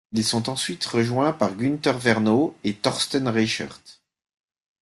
Ils sont ensuite rejoints par Günter Werno et Torsten Reichert.